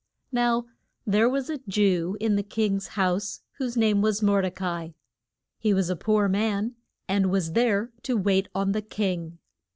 Now there was a Jew in the king's house, whose name was Mor de ca i. He was a poor man, and was there to wait on the king.